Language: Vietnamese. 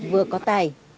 vừa có tài